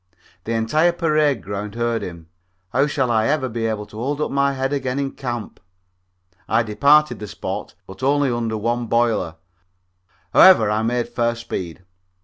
The entire parade ground heard him. How shall I ever be able to hold up my head again in Camp? I departed the spot, but only under one boiler; however, I made fair speed.